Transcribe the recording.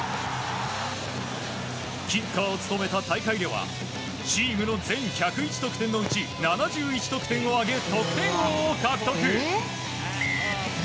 キッカーを務めた大会ではチームの全１０１得点のうち７１得点を挙げ、得点王を獲得。